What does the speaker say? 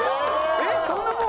えっそんなもん？